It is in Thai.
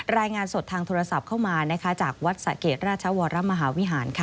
รายงานสดทางโทรศัพท์เข้ามาจากวัดสะเกดราชวรมหาวิหาร